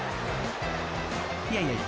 ［いやいやいや。